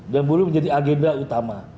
dan buruh menjadi agenda utama